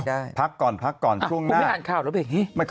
ไม่เข้าในสวนคุณแม่